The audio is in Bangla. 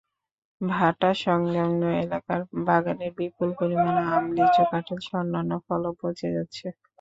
ভাটাসংলগ্ন এলাকার বাগানের বিপুল পরিমাণ আম, লিচু, কাঁঠালসহ অন্যান্য ফলও পচে যাচ্ছে।